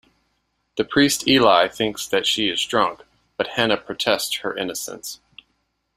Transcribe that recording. The priest Eli thinks that she is drunk, but Hannah protests her innocence.